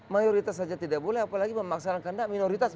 mayoritas saja tidak boleh apalagi memaksakan tidak minoritas